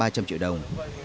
ba trăm linh triệu đồng